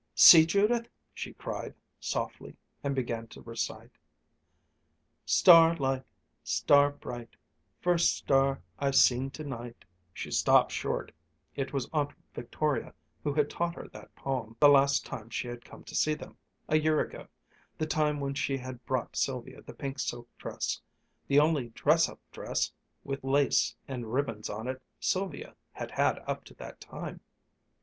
"See, Judith," she cried softly and began to recite, "Star light, star bright, First star I've seen tonight " She stopped short it was Aunt Victoria who had taught her that poem, the last time she had come to see them, a year ago, the time when she had brought Sylvia the pink silk dress, the only dress up dress with lace and ribbons on it Sylvia had had up to that time.